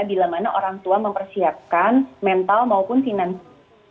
bila mana orang tua mempersiapkan mental maupun finansial